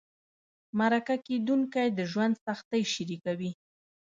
مرکه کېدونکي د ژوند سختۍ شریکوي.